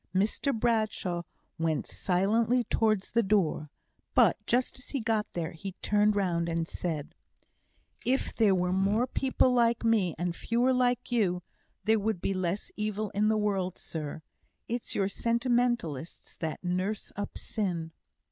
Mr Bradshaw went silently towards the door, but, just as he got there, he turned round, and said: "If there were more people like me, and fewer like you, there would be less evil in the world, sir. It's your sentimentalists that nurse up sin."